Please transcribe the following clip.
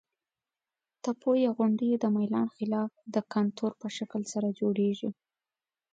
تپو یا غونډیو د میلان خلاف د کنتور په شکل سره جوړیږي.